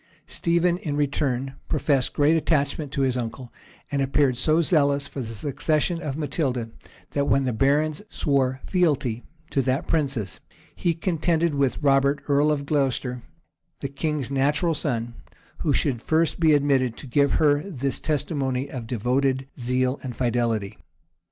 Stephen, in return, professed great attachment to his uncle, and appeared so zealous for the succession of Matilda, that, when the barons swore fealty to that princess, he contended with Robert, earl of Glocester, the king's natural son, who should first be admitted to give her this testimony of devoted zeal and fidelity.